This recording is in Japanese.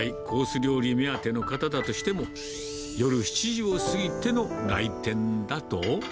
料理目当ての方だとしても、夜７時を過ぎての来店だと。